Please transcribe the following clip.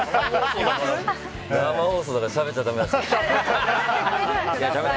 生放送だからしゃべっちゃだめなのかなって。